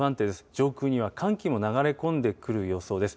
上空には寒気も流れ込んでくる予想です。